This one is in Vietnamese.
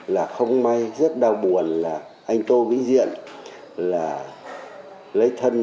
là không may rất đau buồn là anh tô mỹ diện là lấy thân